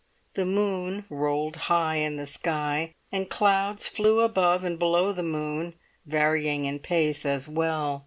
The moon rolled high in the sky and clouds flew above and below the moon, varying in pace as well.